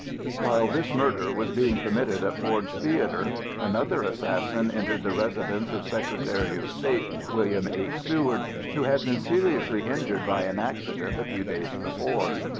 While this murder was being committed at Ford's Theatre, another assassin entered the residence of Secretary of State William H. Seward, who had been seriously injured by an accident a few days before.